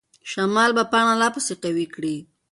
شمال به پاڼه لا پسې قوي کړي.